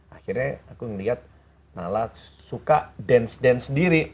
akhirnya aku ngeliat nala suka dance dance sendiri